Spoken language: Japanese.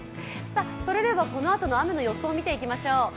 それでは、このあとの雨の予想を見ていきましょう。